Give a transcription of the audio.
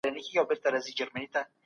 خپل ځان له ګرمۍ څخه وساتئ.